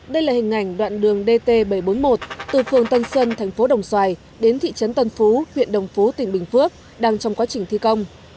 đây là hình ảnh đoạn đường dt bảy trăm bốn mươi một từ phường tân sơn thành phố đồng xoài đến thị trấn tân phú huyện đồng phú tỉnh bình phước đang trong quá trình thi công